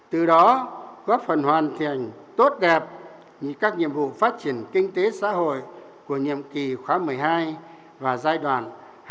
từ đó góp phần hoàn thành tốt đẹp như các nhiệm vụ phát triển kinh tế xã hội của nhiệm kỳ khóa một mươi hai và giai đoạn hai nghìn một mươi sáu hai nghìn hai mươi